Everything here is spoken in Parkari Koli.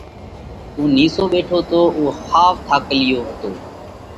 اُو نِيسو ٻيٺو تو۔ اُو ۿاوَ ٿاڪلِيو هتو۔